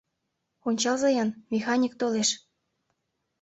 — Ончалза-ян, Механик толеш...